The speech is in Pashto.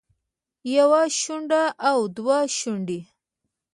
يوه شونډه او دوه شونډې